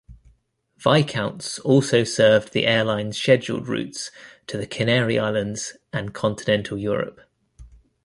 Viscounts also served the airline's scheduled routes to the Canary Islands and Continental Europe.